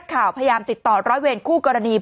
ปรากฏว่าสิ่งที่เกิดขึ้นคลิปนี้ฮะ